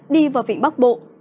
đi vào vị bắc bộ